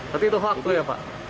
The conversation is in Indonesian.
tapi itu hoax itu ya pak